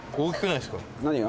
何が？